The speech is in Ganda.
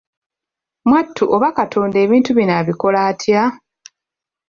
Mwattu oba katonda ebintu bino abikola atya?